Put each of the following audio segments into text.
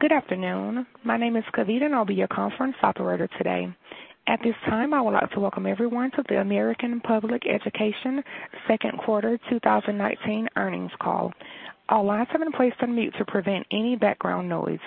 Good afternoon. My name is Kavita, and I'll be your conference operator today. At this time, I would like to welcome everyone to the American Public Education second quarter 2019 earnings call. All lines have been placed on mute to prevent any background noise.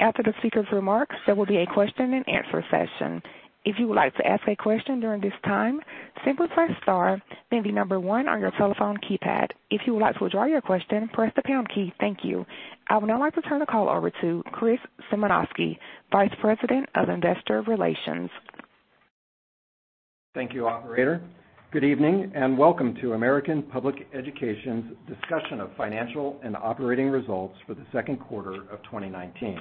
After the speaker's remarks, there will be a question and answer session. If you would like to ask a question during this time, simply press star, then 1 on your telephone keypad. If you would like to withdraw your question, press the pound key. Thank you. I would now like to turn the call over to Chris Symanoskie, Vice President of Investor Relations. Thank you, operator. Good evening, and welcome to American Public Education's discussion of financial and operating results for the second quarter of 2019.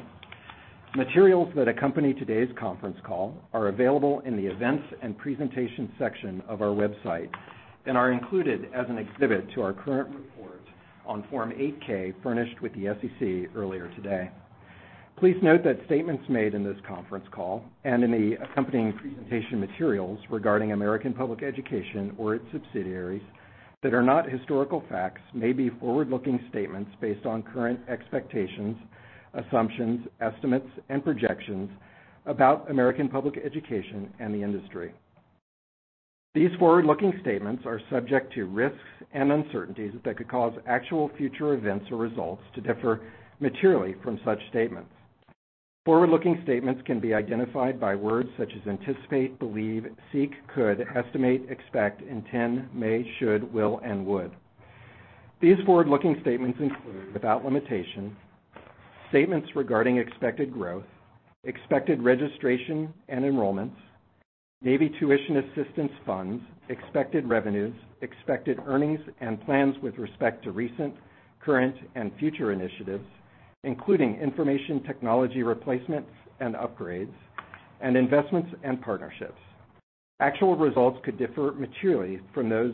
Materials that accompany today's conference call are available in the events and presentation section of our website and are included as an exhibit to our current report on Form 8-K furnished with the SEC earlier today. Please note that statements made in this conference call and in the accompanying presentation materials regarding American Public Education or its subsidiaries that are not historical facts may be forward-looking statements based on current expectations, assumptions, estimates, and projections about American Public Education and the industry. These forward-looking statements are subject to risks and uncertainties that could cause actual future events or results to differ materially from such statements. Forward-looking statements can be identified by words such as anticipate, believe, seek, could, estimate, expect, intend, may, should, will, and would. These forward-looking statements include, without limitation, statements regarding expected growth, expected registration and enrollments, Navy Tuition Assistance funds, expected revenues, expected earnings, and plans with respect to recent, current, and future initiatives, including information technology replacements and upgrades and investments and partnerships. Actual results could differ materially from those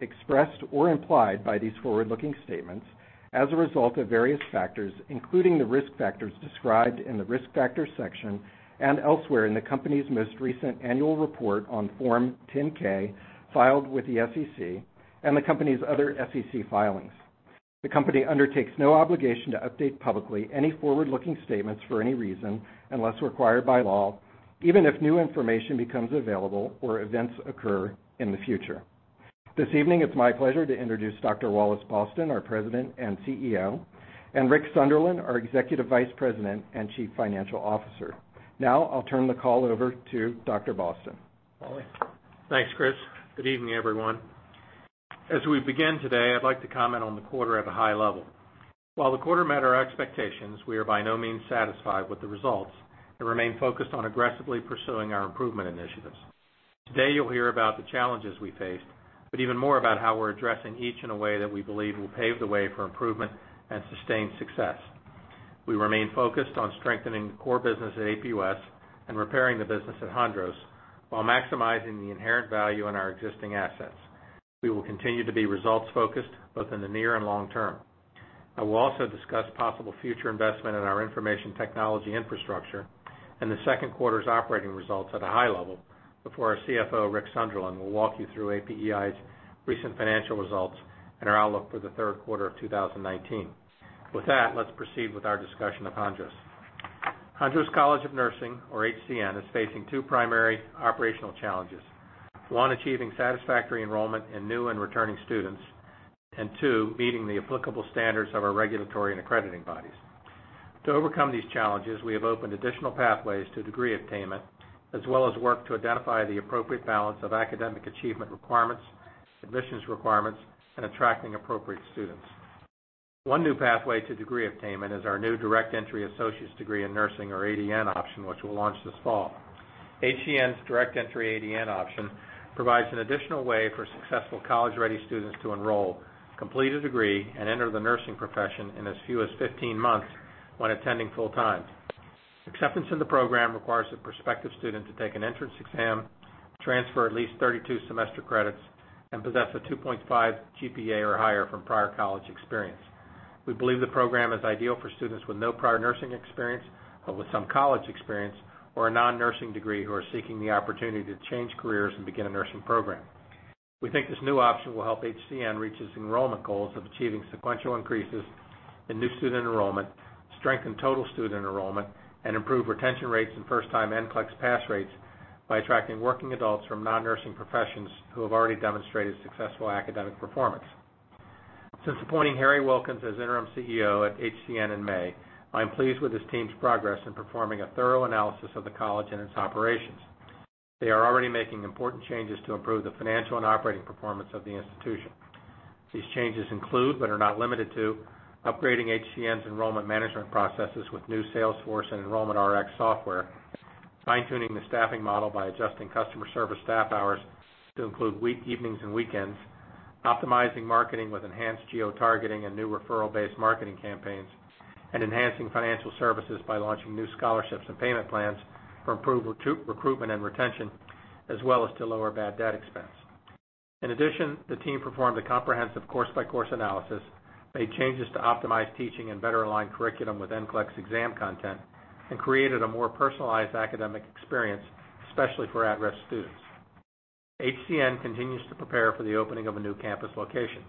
expressed or implied by these forward-looking statements as a result of various factors, including the risk factors described in the Risk Factors section and elsewhere in the company's most recent annual report on Form 10-K filed with the SEC and the company's other SEC filings. The company undertakes no obligation to update publicly any forward-looking statements for any reason, unless required by law, even if new information becomes available or events occur in the future. This evening, it's my pleasure to introduce Dr. Wallace Boston, our President and CEO, and Rick Sunderland, our Executive Vice President and Chief Financial Officer. I'll turn the call over to Dr. Boston. Wally? Thanks, Chris. Good evening, everyone. As we begin today, I'd like to comment on the quarter at a high level. While the quarter met our expectations, we are by no means satisfied with the results and remain focused on aggressively pursuing our improvement initiatives. Today, you'll hear about the challenges we faced, but even more about how we're addressing each in a way that we believe will pave the way for improvement and sustained success. We remain focused on strengthening the core business at APUS and repairing the business at Hondros while maximizing the inherent value in our existing assets. We will continue to be results-focused both in the near and long term. I will also discuss possible future investment in our information technology infrastructure and the second quarter's operating results at a high level before our CFO, Rick Sunderland, will walk you through APEI's recent financial results and our outlook for the third quarter of 2019. With that, let's proceed with our discussion of Hondros. Hondros College of Nursing, or HCN, is facing two primary operational challenges. One, achieving satisfactory enrollment in new and returning students, and two, meeting the applicable standards of our regulatory and accrediting bodies. To overcome these challenges, we have opened additional pathways to degree attainment, as well as work to identify the appropriate balance of academic achievement requirements, admissions requirements, and attracting appropriate students. One new pathway to degree attainment is our new direct entry associate's degree in nursing, or ADN option, which we'll launch this fall. HCN's direct entry ADN option provides an additional way for successful college-ready students to enroll, complete a degree, and enter the nursing profession in as few as 15 months when attending full-time. Acceptance in the program requires a prospective student to take an entrance exam, transfer at least 32 semester credits, and possess a 2.5 GPA or higher from prior college experience. We believe the program is ideal for students with no prior nursing experience but with some college experience or a non-nursing degree who are seeking the opportunity to change careers and begin a nursing program. We think this new option will help HCN reach its enrollment goals of achieving sequential increases in new student enrollment, strengthen total student enrollment, and improve retention rates and first-time NCLEX pass rates by attracting working adults from non-nursing professions who have already demonstrated successful academic performance. Since appointing Harry Wilkins as interim CEO at HCN in May, I'm pleased with his team's progress in performing a thorough analysis of the college and its operations. They are already making important changes to improve the financial and operating performance of the institution. These changes include, but are not limited to, upgrading HCN's enrollment management processes with new Salesforce and Enrollment Rx software, fine-tuning the staffing model by adjusting customer service staff hours to include evenings and weekends, optimizing marketing with enhanced geotargeting and new referral-based marketing campaigns, and enhancing financial services by launching new scholarships and payment plans for improved recruitment and retention, as well as to lower bad debt expense. In addition, the team performed a comprehensive course-by-course analysis, made changes to optimize teaching and better align curriculum with NCLEX exam content, and created a more personalized academic experience, especially for at-risk students. HCN continues to prepare for the opening of a new campus location.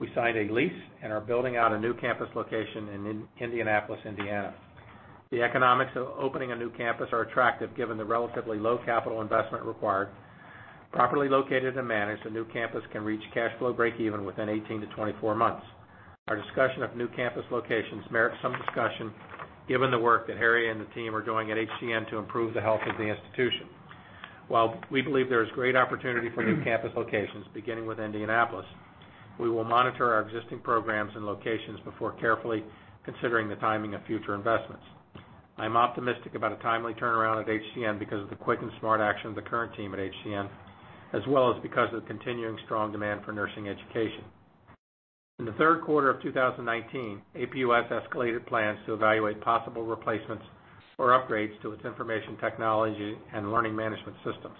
We signed a lease and are building out a new campus location in Indianapolis, Indiana. The economics of opening a new campus are attractive given the relatively low capital investment required. Properly located and managed, a new campus can reach cash flow breakeven within 18 to 24 months. Our discussion of new campus locations merits some discussion given the work that Harry and the team are doing at HCN to improve the health of the institution. While we believe there is great opportunity for new campus locations, beginning with Indianapolis, we will monitor our existing programs and locations before carefully considering the timing of future investments. I'm optimistic about a timely turnaround at HCN because of the quick and smart action of the current team at HCN, as well as because of the continuing strong demand for nursing education. In the third quarter of 2019, APUS escalated plans to evaluate possible replacements or upgrades to its information technology and learning management systems.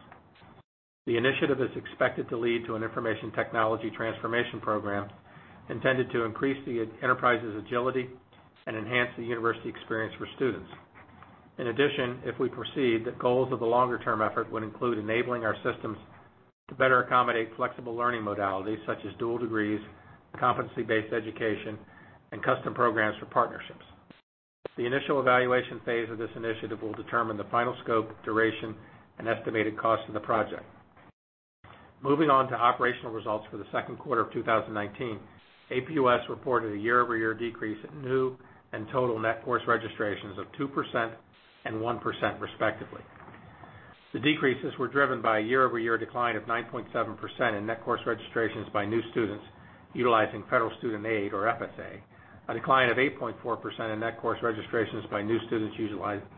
The initiative is expected to lead to an information technology transformation program intended to increase the enterprise's agility and enhance the university experience for students. In addition, if we proceed, the goals of the longer-term effort would include enabling our systems to better accommodate flexible learning modalities such as dual degrees, competency-based education, and custom programs for partnerships. The initial evaluation phase of this initiative will determine the final scope, duration, and estimated cost of the project. Moving on to operational results for the second quarter of 2019. APUS reported a year-over-year decrease in new and total net course registrations of 2% and 1% respectively. The decreases were driven by a year-over-year decline of 9.7% in net course registrations by new students utilizing federal student aid or FSA, a decline of 8.4% in net course registrations by new students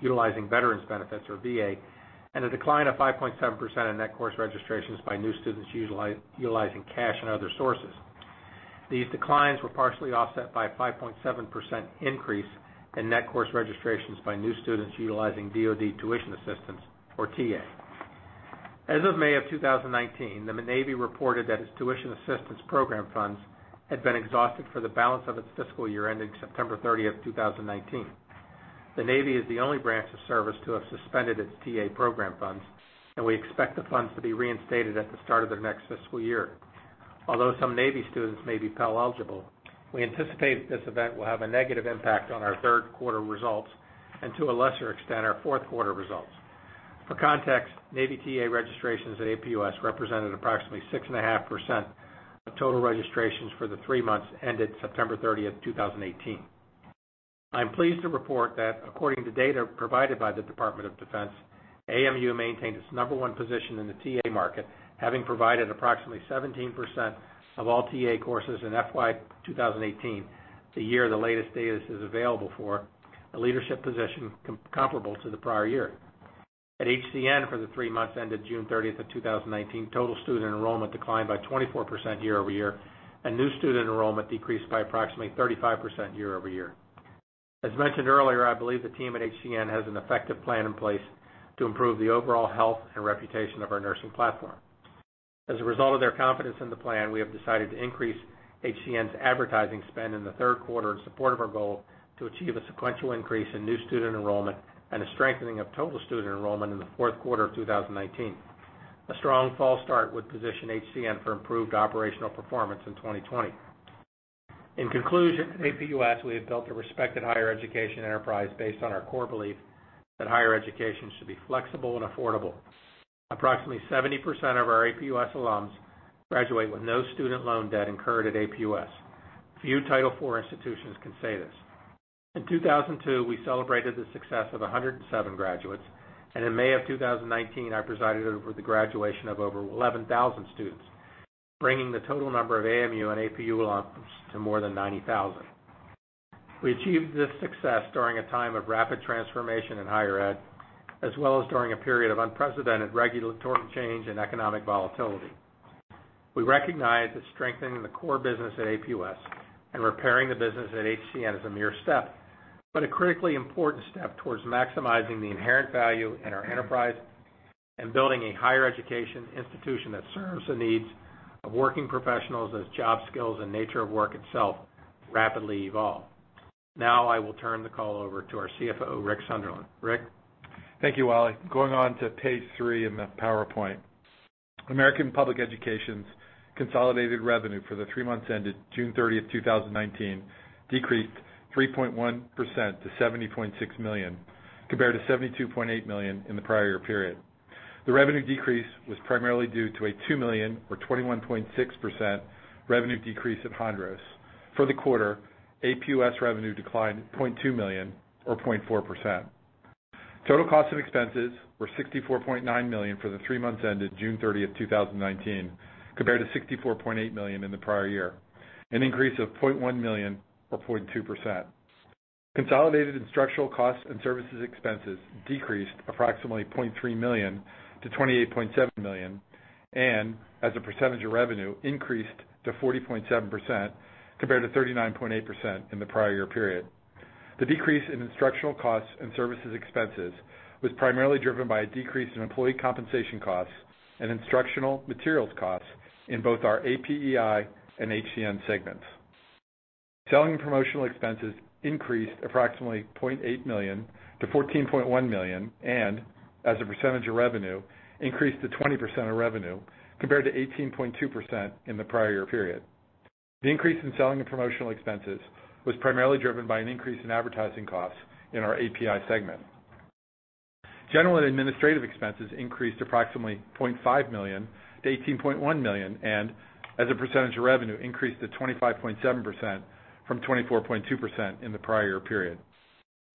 utilizing veterans' benefits or VA, and a decline of 5.7% in net course registrations by new students utilizing cash and other sources. These declines were partially offset by a 5.7% increase in net course registrations by new students utilizing DoD tuition assistance or TA. As of May of 2019, the Navy reported that its tuition assistance program funds had been exhausted for the balance of its fiscal year ending September 30th, 2019. The Navy is the only branch of service to have suspended its TA program funds, and we expect the funds to be reinstated at the start of their next fiscal year. Although some Navy students may be Pell eligible, we anticipate that this event will have a negative impact on our third quarter results and to a lesser extent, our fourth quarter results. For context, Navy TA registrations at APUS represented approximately 6.5% of total registrations for the three months ended September 30th, 2018. I'm pleased to report that according to data provided by the Department of Defense, AMU maintained its number 1 position in the TA market, having provided approximately 17% of all TA courses in FY 2018, the year the latest data is available for, a leadership position comparable to the prior year. At HCN for the three months ended June 30th of 2019, total student enrollment declined by 24% year-over-year, and new student enrollment decreased by approximately 35% year-over-year. As mentioned earlier, I believe the team at HCN has an effective plan in place to improve the overall health and reputation of our nursing platform. As a result of their confidence in the plan, we have decided to increase HCN's advertising spend in the third quarter in support of our goal to achieve a sequential increase in new student enrollment and a strengthening of total student enrollment in the fourth quarter of 2019. A strong fall start would position HCN for improved operational performance in 2020. In conclusion, at APUS, we have built a respected higher education enterprise based on our core belief that higher education should be flexible and affordable. Approximately 70% of our APUS alums graduate with no student loan debt incurred at APUS. Few Title IV institutions can say this. In 2002, we celebrated the success of 107 graduates, and in May of 2019, I presided over the graduation of over 11,000 students, bringing the total number of AMU and APU alums to more than 90,000. We achieved this success during a time of rapid transformation in higher ed, as well as during a period of unprecedented regulatory change and economic volatility. We recognize that strengthening the core business at APUS and repairing the business at HCN is a mere step, but a critically important step towards maximizing the inherent value in our enterprise and building a higher education institution that serves the needs of working professionals as job skills and nature of work itself rapidly evolve. Now I will turn the call over to our CFO, Rick Sunderland. Rick? Thank you, Wally. Going on to page three in the PowerPoint. American Public Education's consolidated revenue for the three months ended June 30th, 2019, decreased 3.1% to $70.6 million, compared to $72.8 million in the prior year period. The revenue decrease was primarily due to a $2 million or 21.6% revenue decrease at Hondros. For the quarter, APUS revenue declined $0.2 million or 0.4%. Total costs and expenses were $64.9 million for the three months ended June 30th, 2019, compared to $64.8 million in the prior year, an increase of $0.1 million or 0.2%. Consolidated instructional costs and services expenses decreased approximately $0.3 million to $28.7 million, and as a percentage of revenue, increased to 40.7% compared to 39.8% in the prior year period. The decrease in instructional costs and services expenses was primarily driven by a decrease in employee compensation costs and instructional materials costs in both our APEI and HCN segments. Selling and promotional expenses increased approximately $0.8 million to $14.1 million, and as a percentage of revenue, increased to 20% of revenue, compared to 18.2% in the prior year period. The increase in selling and promotional expenses was primarily driven by an increase in advertising costs in our APEI segment. General and administrative expenses increased approximately $0.5 million to $18.1 million, and as a percentage of revenue, increased to 25.7% from 24.2% in the prior period.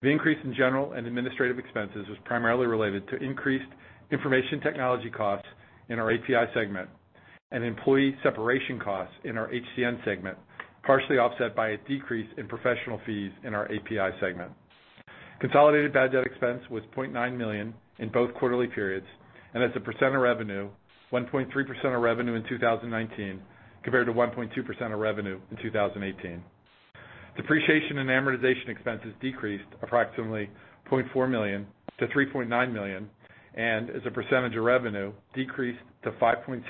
The increase in general and administrative expenses was primarily related to increased information technology costs in our APEI segment and employee separation costs in our HCN segment, partially offset by a decrease in professional fees in our APEI segment. Consolidated bad debt expense was $0.9 million in both quarterly periods, and as a percent of revenue, 1.3% of revenue in 2019 compared to 1.2% of revenue in 2018. Depreciation and amortization expenses decreased approximately $0.4 million to $3.9 million, and as a percentage of revenue, decreased to 5.6%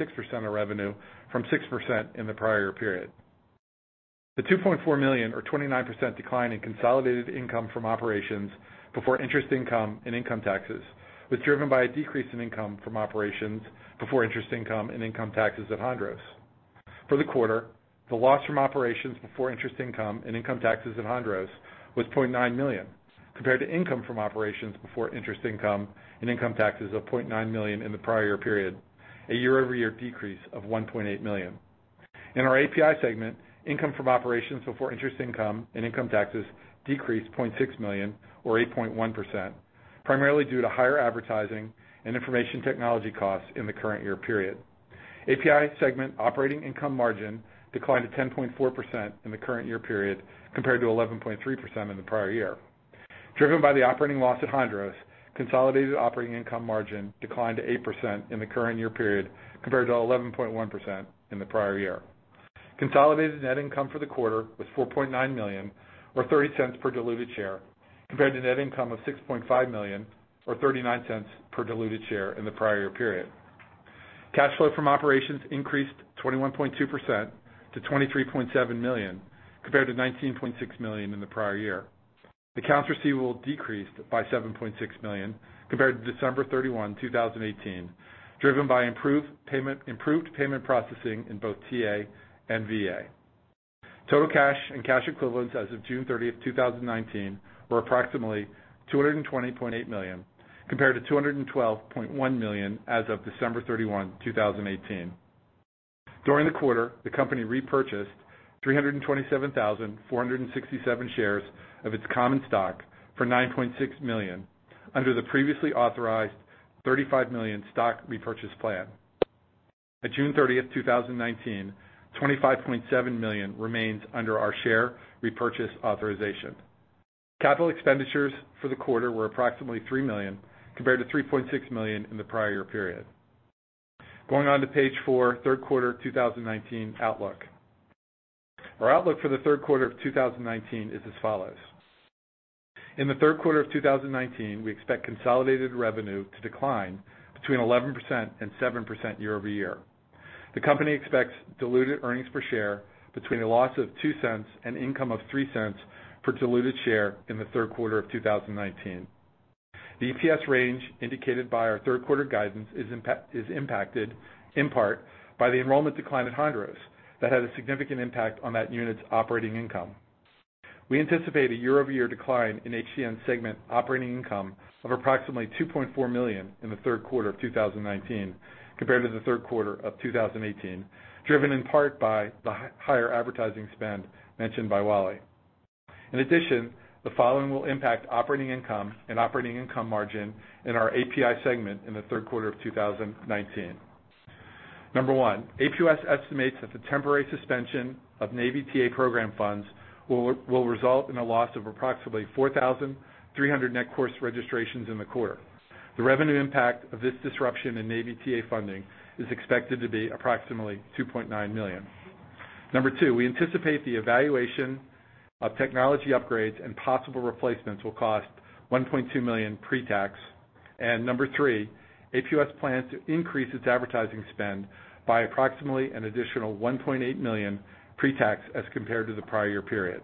of revenue from 6% in the prior period. The $2.4 million or 29% decline in consolidated income from operations before interest income and income taxes was driven by a decrease in income from operations before interest income and income taxes at Hondros. For the quarter, the loss from operations before interest income and income taxes at Hondros was $0.9 million, compared to income from operations before interest income and income taxes of $0.9 million in the prior period, a year-over-year decrease of $1.8 million. In our APEI segment, income from operations before interest income and income taxes decreased $0.6 million or 8.1%, primarily due to higher advertising and information technology costs in the current year period. APEI segment operating income margin declined to 10.4% in the current year period, compared to 11.3% in the prior year. Driven by the operating loss at Hondros, consolidated operating income margin declined to 8% in the current year period, compared to 11.1% in the prior year. Consolidated net income for the quarter was $4.9 million, or $0.30 per diluted share, compared to net income of $6.5 million or $0.39 per diluted share in the prior year period. Cash flow from operations increased 21.2% to $23.7 million, compared to $19.6 million in the prior year. Accounts receivable decreased by $7.6 million compared to December 31, 2018, driven by improved payment processing in both TA and VA. Total cash and cash equivalents as of June 30, 2019, were approximately $220.8 million, compared to $212.1 million as of December 31, 2018. During the quarter, the company repurchased 327,467 shares of its common stock for $9.6 million under the previously authorized $35 million stock repurchase plan. At June 30, 2019, $25.7 million remains under our share repurchase authorization. Capital expenditures for the quarter were approximately $3 million compared to $3.6 million in the prior year period. Going on to page four, third quarter 2019 outlook. Our outlook for the third quarter of 2019 is as follows. In the third quarter of 2019, we expect consolidated revenue to decline between 11% and 7% year-over-year. The company expects diluted earnings per share between a loss of $0.02 and income of $0.03 per diluted share in the third quarter of 2019. The EPS range indicated by our third quarter guidance is impacted in part by the enrollment decline at Hondros that had a significant impact on that unit's operating income. We anticipate a year-over-year decline in HCN segment operating income of approximately $2.4 million in the third quarter of 2019 compared to the third quarter of 2018, driven in part by the higher advertising spend mentioned by Wally. In addition, the following will impact operating income and operating income margin in our APEI segment in the third quarter of 2019. Number one, APUS estimates that the temporary suspension of Navy TA program funds will result in a loss of approximately 4,300 net course registrations in the quarter. The revenue impact of this disruption in Navy TA funding is expected to be approximately $2.9 million. Number two, we anticipate the evaluation of technology upgrades and possible replacements will cost $1.2 million pre-tax. Number 3, APUS plans to increase its advertising spend by approximately an additional $1.8 million pre-tax as compared to the prior year period.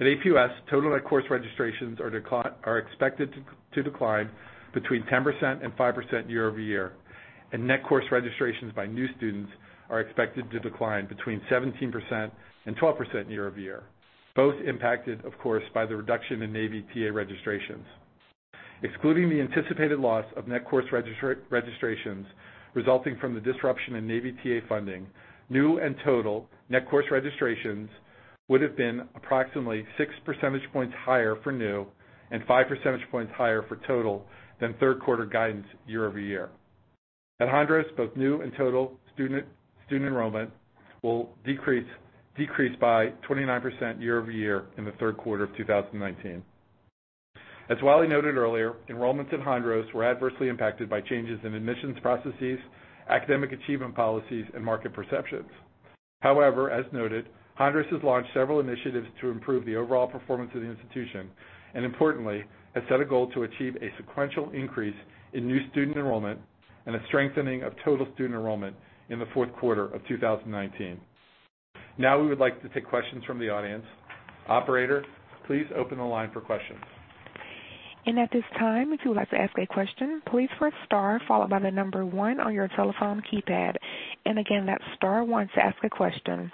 At APUS, total net course registrations are expected to decline between 10%-5% year-over-year, and net course registrations by new students are expected to decline between 17%-12% year-over-year. Both impacted, of course, by the reduction in Navy TA registrations. Excluding the anticipated loss of net course registrations resulting from the disruption in Navy TA funding, new and total net course registrations would have been approximately 6 percentage points higher for new and 5 percentage points higher for total than third quarter guidance year-over-year. At Hondros, both new and total student enrollment will decrease by 29% year-over-year in the third quarter of 2019. As Wally noted earlier, enrollments at Hondros were adversely impacted by changes in admissions processes, academic achievement policies, and market perceptions. As noted, Hondros has launched several initiatives to improve the overall performance of the institution, and importantly, has set a goal to achieve a sequential increase in new student enrollment. A strengthening of total student enrollment in the fourth quarter of 2019. Now we would like to take questions from the audience. Operator, please open the line for questions. At this time, if you would like to ask a question, please press star followed by the number 1 on your telephone keypad. Again, that's star 1 to ask a question.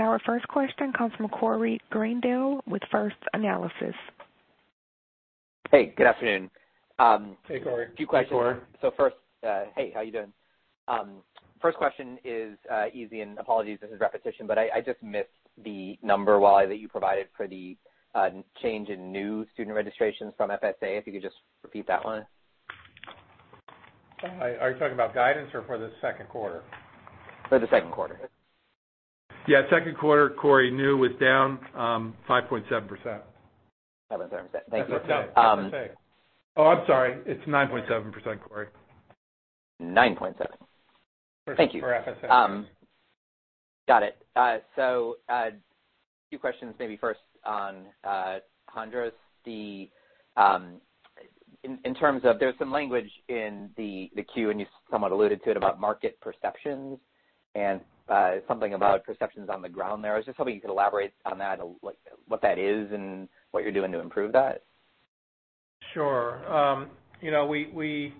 Our first question comes from Corey Greendale with First Analysis. Hey, good afternoon. Hey, Corey. A few questions. Hey, Corey. Hey, how you doing? First question is easy, and apologies if it's repetition, but I just missed the number, Wally, that you provided for the change in new student registrations from FSA. If you could just repeat that one. Are you talking about guidance or for the second quarter? For the second quarter. Yeah. Second quarter, Corey, new was down 5.7%. 7.7%. Thank you. That's what's up. Um- Oh, I'm sorry. It's 9.7%, Corey. Thank you. For FSA. Got it. A few questions, maybe first on, Hondros. In terms of, there was some language in the Q, and you somewhat alluded to it, about market perceptions and something about perceptions on the ground there. I was just hoping you could elaborate on that, like what that is and what you're doing to improve that. Sure. We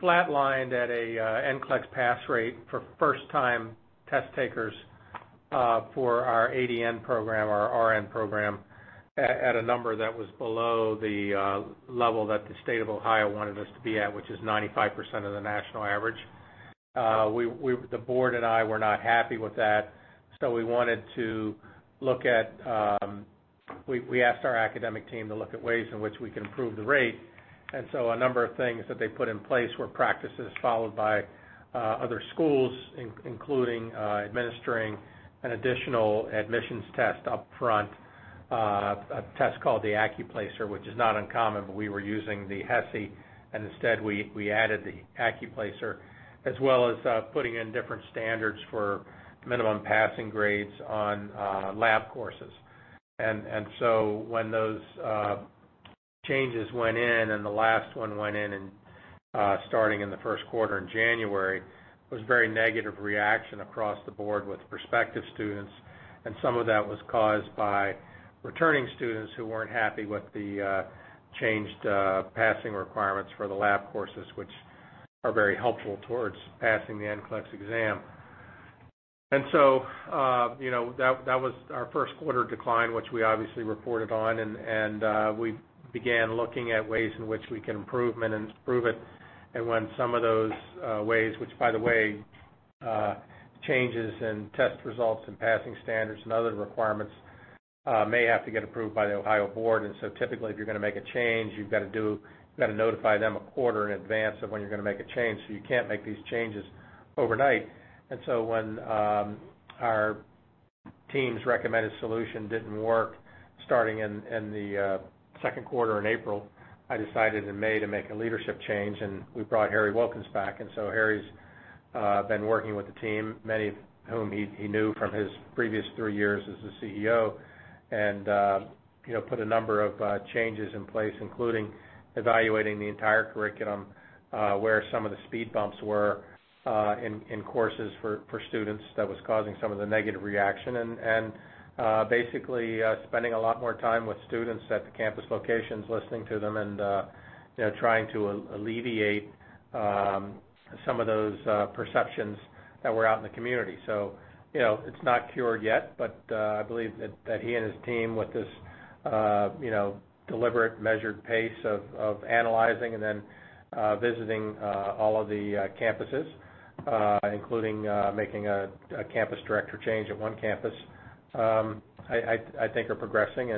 flat lined at a NCLEX pass rate for first-time test takers, for our ADN program, our RN program, at a number that was below the level that the state of Ohio wanted us to be at, which is 95% of the national average. The board and I were not happy with that, so we asked our academic team to look at ways in which we can improve the rate. A number of things that they put in place were practices followed by other schools, including administering an additional admissions test upfront. A test called the ACCUPLACER, which is not uncommon, but we were using the HESI, and instead we added the ACCUPLACER, as well as putting in different standards for minimum passing grades on lab courses. When those changes went in, and the last one went in starting in the first quarter in January, it was a very negative reaction across the board with prospective students. Some of that was caused by returning students who weren't happy with the changed passing requirements for the lab courses, which are very helpful towards passing the NCLEX exam. That was our first quarter decline, which we obviously reported on, and we began looking at ways in which we can improve it. When some of those ways, which by the way, changes in test results and passing standards and other requirements, may have to get approved by the Ohio board. Typically, if you're going to make a change, you've got to notify them a quarter in advance of when you're going to make a change. You can't make these changes overnight. When our team's recommended solution didn't work, starting in the second quarter in April, I decided in May to make a leadership change, and we brought Harry Wilkins back. Harry's been working with the team, many of whom he knew from his previous three years as the CEO. Put a number of changes in place, including evaluating the entire curriculum, where some of the speed bumps were, in courses for students that was causing some of the negative reaction. Basically, spending a lot more time with students at the campus locations, listening to them and trying to alleviate some of those perceptions that were out in the community. It's not cured yet, I believe that he and his team with this deliberate measured pace of analyzing and then visiting all of the campuses, including making a campus director change at one campus, I think are progressing.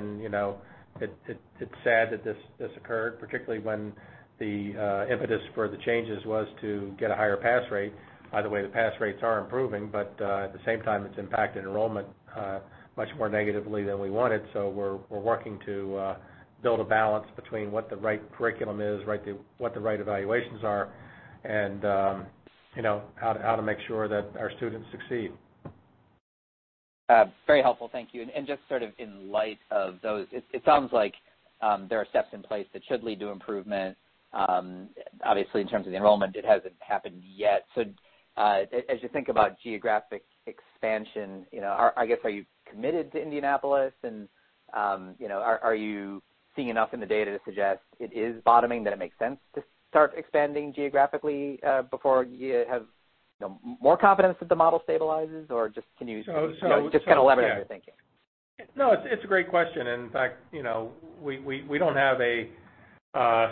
It's sad that this occurred, particularly when the impetus for the changes was to get a higher pass rate. By the way, the pass rates are improving, but at the same time, it's impacted enrollment much more negatively than we wanted. We're working to build a balance between what the right curriculum is, what the right evaluations are, and how to make sure that our students succeed. Very helpful. Thank you. Just sort of in light of those, it sounds like there are steps in place that should lead to improvement. Obviously, in terms of the enrollment, it hasn't happened yet. As you think about geographic expansion, I guess, are you committed to Indianapolis? Are you seeing enough in the data to suggest it is bottoming, that it makes sense to start expanding geographically before you have more confidence that the model stabilizes? So- Just to kind of leverage your thinking. No, it's a great question. In fact, we don't have a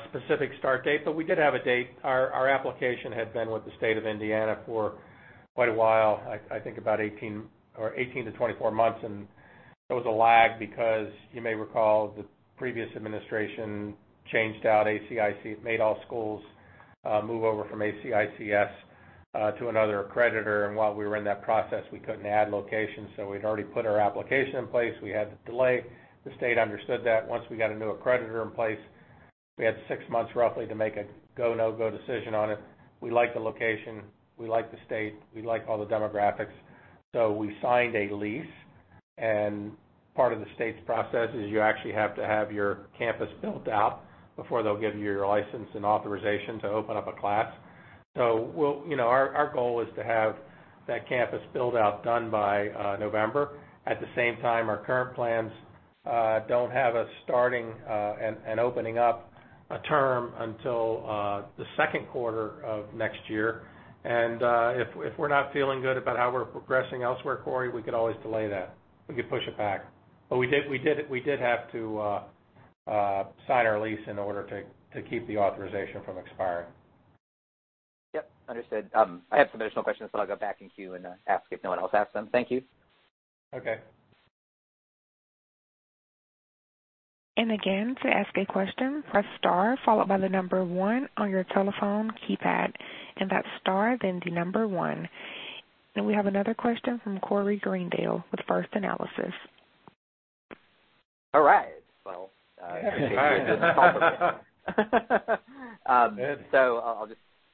specific start date, but we did have a date. Our application had been with the state of Indiana for quite a while, I think about 18 to 24 months. There was a lag because you may recall the previous administration changed out ACICS, made all schools move over from ACICS to another accreditor. While we were in that process, we couldn't add locations. We'd already put our application in place. We had the delay. The state understood that once we got a new accreditor in place, we had six months roughly to make a go, no-go decision on it. We like the location. We like the state. We like all the demographics. We signed a lease. Part of the state's process is you actually have to have your campus built out before they'll give you your license and authorization to open up a class. Our goal is to have that campus build-out done by November. At the same time, our current plans don't have us starting and opening up a term until the second quarter of next year. If we're not feeling good about how we're progressing elsewhere, Corey, we could always delay that. We could push it back. We did have to sign our lease in order to keep the authorization from expiring. Yep. Understood. I have some additional questions, but I'll go back in queue and ask if no one else asks them. Thank you. Okay. Again, to ask a question, press star followed by number 1 on your telephone keypad, that's star, then number 1. We have another question from Corey Greendale with First Analysis. All right.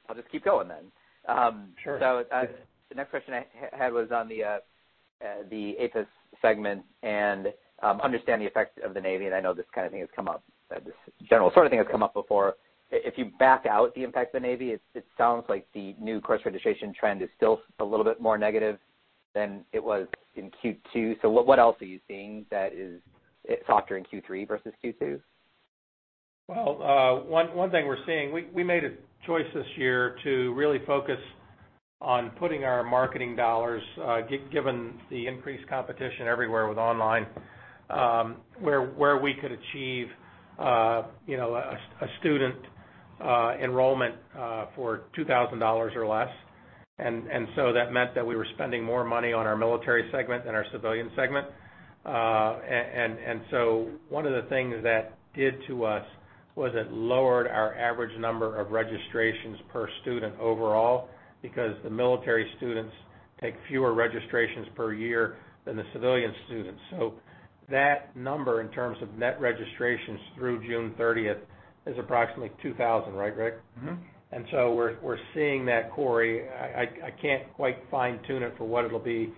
I'll just keep going then. Sure. The next question I had was on the APUS segment and understand the effects of the Navy, and I know this general sort of thing has come up before. If you back out the impact of the Navy, it sounds like the new course registration trend is still a little bit more negative than it was in Q2. What else are you seeing that is softer in Q3 versus Q2? Well, one thing we're seeing, we made a choice this year to really focus on putting our marketing dollars, given the increased competition everywhere with online, where we could achieve a student enrollment for $2,000 or less. That meant that we were spending more money on our military segment than our civilian segment. One of the things that did to us was it lowered our average number of registrations per student overall because the military students take fewer registrations per year than the civilian students. That number in terms of net registrations through June 30th is approximately 2,000, right, Rick? We're seeing that, Corey. I can't quite fine-tune it for what it'll be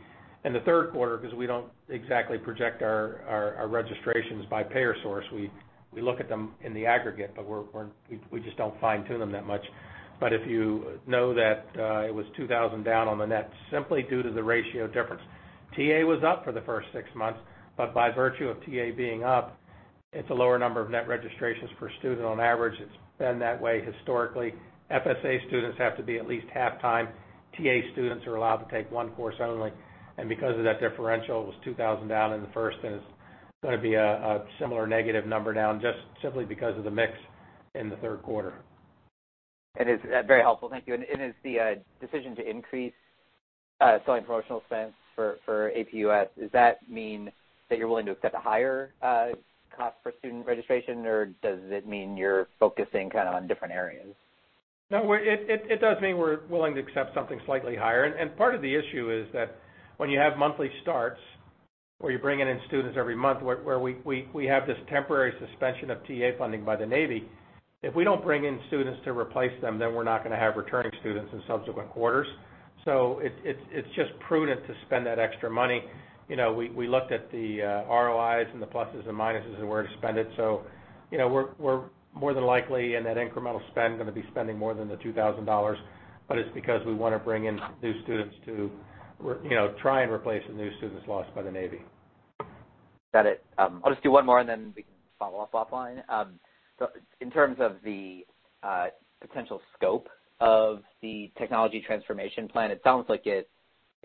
in the third quarter because we don't exactly project our registrations by payer source. We look at them in the aggregate, we just don't fine-tune them that much. If you know that, it was 2,000 down on the net simply due to the ratio difference. TA was up for the first six months, By virtue of TA being up, it's a lower number of net registrations per student on average. It's been that way historically. FSA students have to be at least half-time. TA students are allowed to take one course only. Because of that differential, it was 2,000 down in the first, and it's going to be a similar negative number down just simply because of the mix in the third quarter. That is very helpful. Thank you. Is the decision to increase selling promotional spends for APUS, does that mean that you're willing to accept a higher cost for student registration, or does it mean you're focusing on different areas? No, it does mean we're willing to accept something slightly higher. Part of the issue is that when you have monthly starts, where you're bringing in students every month, where we have this temporary suspension of TA funding by the Navy. If we don't bring in students to replace them, then we're not going to have returning students in subsequent quarters. It's just prudent to spend that extra money. We looked at the ROIs and the pluses and minuses and where to spend it. We're more than likely in that incremental spend, going to be spending more than the $2,000, but it's because we want to bring in new students to try and replace the new students lost by the Navy. Got it. I'll just do one more, and then we can follow up offline. In terms of the potential scope of the technology transformation plan, it sounds like it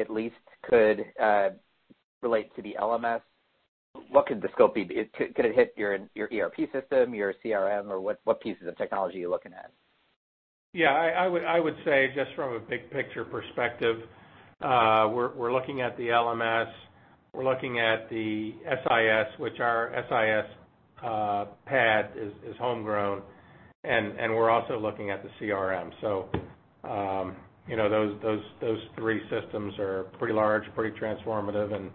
at least could relate to the LMS. What could the scope be? Could it hit your ERP system, your CRM, or what pieces of technology are you looking at? Yeah, I would say just from a big picture perspective, we're looking at the LMS, we're looking at the SIS, which our SIS pad is homegrown, and we're also looking at the CRM. Those three systems are pretty large, pretty transformative, and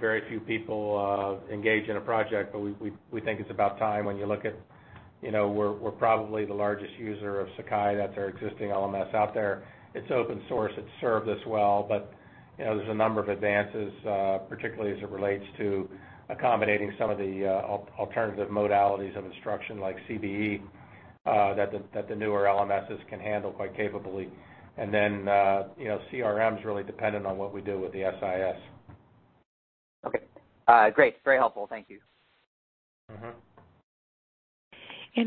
very few people engage in a project, but we think it's about time when you look at we're probably the largest user of Sakai. That's our existing LMS out there. It's open source. It's served us well, but there's a number of advances, particularly as it relates to accommodating some of the alternative modalities of instruction like CBE, that the newer LMSs can handle quite capably. CRM is really dependent on what we do with the SIS. Okay. Great. Very helpful. Thank you.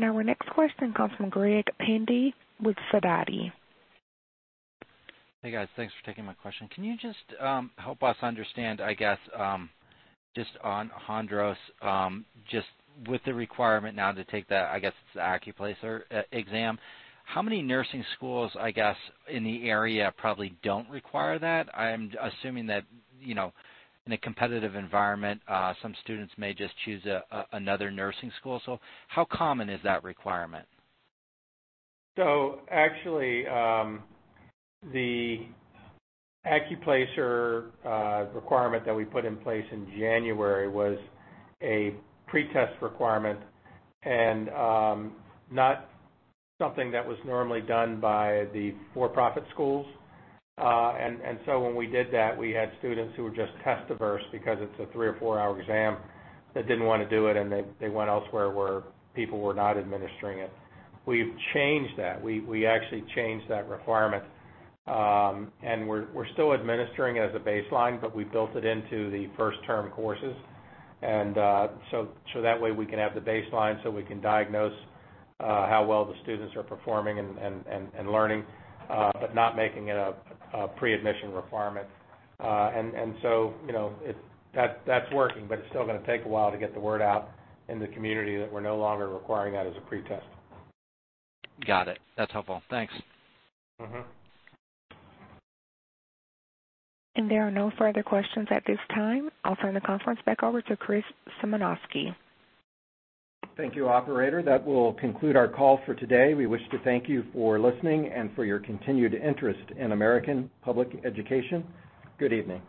Our next question comes from Greg Pendy with Sidoti. Hey, guys. Thanks for taking my question. Can you just help us understand, I guess, just on Hondros, just with the requirement now to take the, I guess it's the ACCUPLACER exam? How many nursing schools in the area probably don't require that? I'm assuming that, in a competitive environment, some students may just choose another nursing school. How common is that requirement? Actually, the ACCUPLACER requirement that we put in place in January was a pretest requirement and not something that was normally done by the for-profit schools. When we did that, we had students who were just test averse because it's a 3 or 4-hour exam that didn't want to do it, and they went elsewhere where people were not administering it. We've changed that. We actually changed that requirement. We're still administering it as a baseline, but we built it into the first-term courses. That way we can have the baseline so we can diagnose how well the students are performing and learning, but not making it a pre-admission requirement. That's working, but it's still gonna take a while to get the word out in the community that we're no longer requiring that as a pretest. Got it. That's helpful. Thanks. There are no further questions at this time. I'll turn the conference back over to Chris Symanoskie. Thank you, operator. That will conclude our call for today. We wish to thank you for listening and for your continued interest in American Public Education. Good evening.